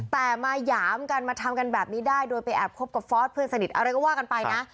แต่มาหยามกันมาทำกันแบบนี้ได้โดยไปแอบคบกับฟอสเพื่อนสนิทอะไรก็ว่ากันไปนะ